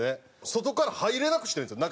外から入れなくしてるんですよ